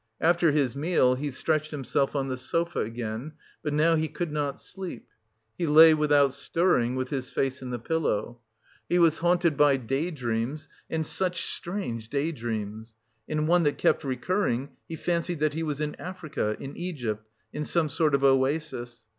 After his meal he stretched himself on the sofa again, but now he could not sleep; he lay without stirring, with his face in the pillow. He was haunted by day dreams and such strange day dreams; in one, that kept recurring, he fancied that he was in Africa, in Egypt, in some sort of oasis.